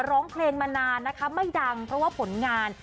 ร้องเพลงมานานนะคะไม่ดังเพราะว่าผลงาน